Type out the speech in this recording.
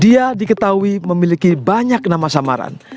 dia diketahui memiliki banyak nama samaran